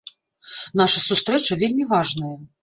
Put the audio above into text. Наша сустрэча вельмі важная.